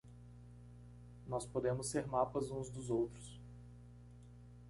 Nós podemos ser mapas uns dos outros